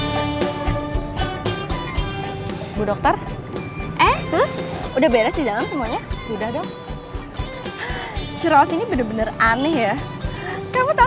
hai bu dokter eh sus sudah beres di dalam semuanya sudah dong suras ini bener bener aneh ya kamu tahu